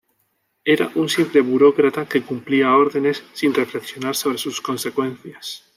Era un simple burócrata que cumplía órdenes sin reflexionar sobre sus consecuencias.